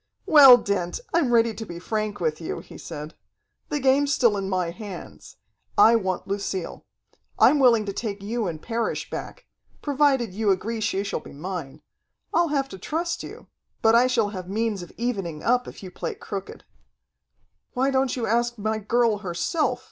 "Well, Dent, I'm ready to be frank with you," he said. "The game's still in my hands. I want Lucille. I'm willing to take you and Parrish back, provided you agree she shall be mine. I'll have to trust you, but I shall have means of evening up if you play crooked." "Why don't you ask my girl herself?"